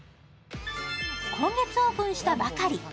今月オープンしたばかり。